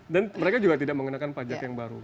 dan mereka juga tidak mengenakan pajak yang baru